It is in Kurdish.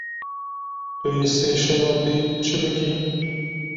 Tu yê sêşema bê çi bikî?